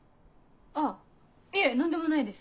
あっいえ何でもないです。